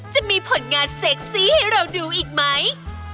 จะมีผลงานเซ็กซี่ให้เราดูอีกไหม